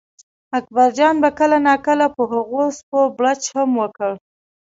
اکبرجان به کله ناکله په هغو سپو بړچ هم وکړ.